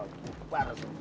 oke puasa bu